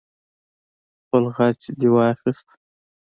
خپل غچ دې واخست.